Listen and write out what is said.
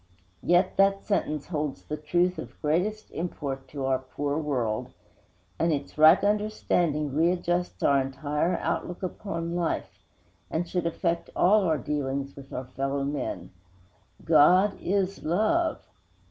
Yet that sentence holds the truth of greatest import to our poor world; and its right understanding readjusts our entire outlook upon life, and should affect all our dealings with our fellow men: GOD IS LOVE.